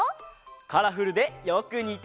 カラフルでよくにてる！